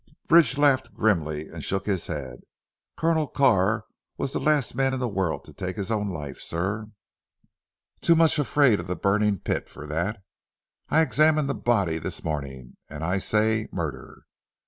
Bridge laughed grimly and shook his head. "Colonel Carr was the last man in the world to take his own life sir, too much afraid of the burning pit for that. I examined the body this morning, and I say murder.